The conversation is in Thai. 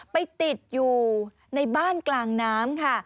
ไปติดอยู่ในบ้านกลางน้ำค่ะ